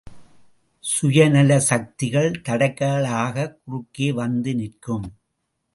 சுயநல சக்திகள் தடைகளாகக் குறுக்கே வந்து நிற்கும்.